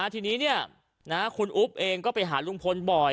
ทีนี้คุณอุ๊บเองก็ไปหาลุงพลบ่อย